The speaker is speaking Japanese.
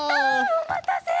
おまたせ！